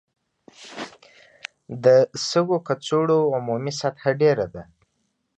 د سږو کڅوړو عمومي سطحه ډېره ده.